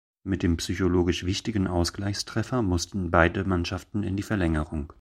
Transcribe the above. Mit dem psychologisch wichtigen Ausgleichstreffer mussten beide Mannschaften in die Verlängerung.